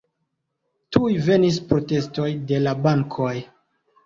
Tuj venis protestoj de la bankoj.